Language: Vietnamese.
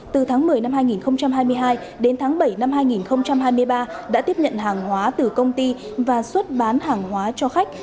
từ tháng một mươi năm hai nghìn hai mươi hai đến tháng bảy năm hai nghìn hai mươi ba đã tiếp nhận hàng hóa từ công ty và xuất bán hàng hóa cho khách